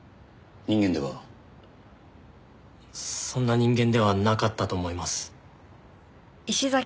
そんな人間ではなかったと思います。